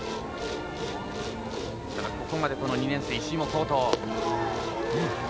ここまで、２年生石井も好投。